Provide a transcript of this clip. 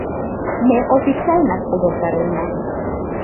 Ме официальнак увертаренна.